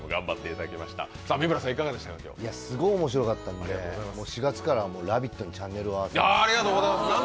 すごい面白かったんで４月からもう「ラヴィット！」にチャンネルを合わせます。